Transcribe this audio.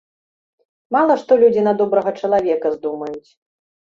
Мала што людзі на добрага чалавека здумаюць.